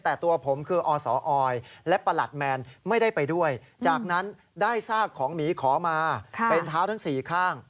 แต่ตัวผมคืออสออยและประหลัดแมนไม่ได้ไปด้วยจากนั้นได้ซากของหมีขอมาเป็นเท้าทั้ง๔ข้าง